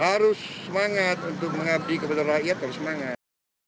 harus semangat untuk mengabdi kepada rakyat harus semangat